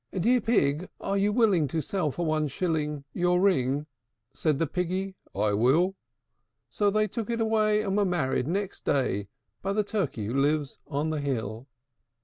III. "Dear Pig, are you willing to sell for one shilling Your ring?" Said the Piggy, "I will." So they took it away, and were married next day By the Turkey who lives on the hill.